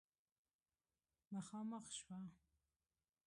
مخامخ شوه